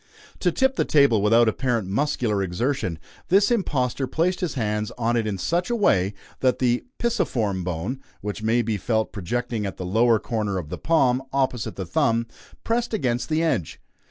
To tip the table without apparent muscular exertion, this impostor placed his hands on it in such a way that the "pisiform bone" (which may be felt projecting at the lower corner of the palm, opposite the thumb) pressed against the edge.